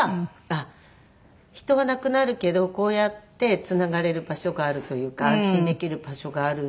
あっ人は亡くなるけどこうやってつながれる場所があるというか安心できる場所がある。